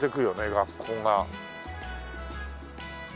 学校が。